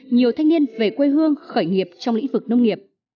nhiều thanh niên về quê hương khởi nghiệp trong lĩnh vực nông nghiệp